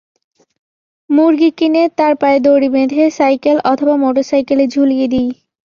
মুরগি কিনে, তার পায়ে দড়ি বেঁধে সাইকেল অথবা মোটরসাইকেলে ঝুলিয়ে দিই।